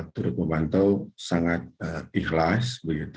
turut membantu sangat ikhlas